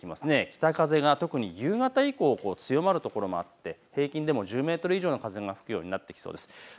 北風が特に夕方以降強まる所もあっって平均でも１０メートル以上の風が吹くようになってきそうです。